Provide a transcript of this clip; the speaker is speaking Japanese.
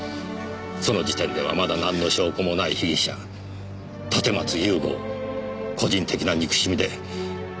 その時点ではまだなんの証拠もない被疑者立松雄吾を個人的な憎しみで殺害する事はなかったはずです。